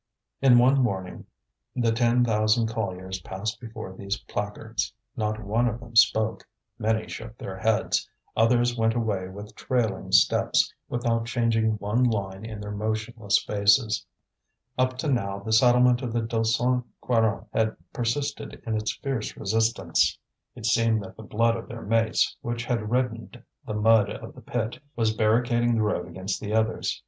In one morning the ten thousand colliers passed before these placards. Not one of them spoke, many shook their heads, others went away with trailing steps, without changing one line in their motionless faces. Up till now the settlement of the Deux Cent Quarante had persisted in its fierce resistance. It seemed that the blood of their mates, which had reddened the mud of the pit, was barricading the road against the others.